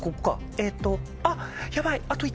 えっと